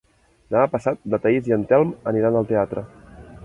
Demà passat na Thaís i en Telm aniran al teatre.